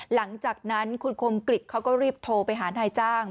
หลังจากนั้นคุณคมกริจเขาก็รีบโทรไปหานายจ้าง